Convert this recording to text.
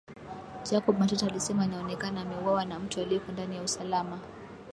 Jacob Matata alisema inaonekana ameuawa na mtu aliyeko ndani ya usalama